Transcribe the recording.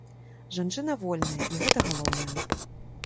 Жанчына вольная, і гэта галоўнае.